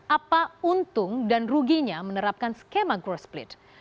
apa untung dan ruginya menerapkan skema growth split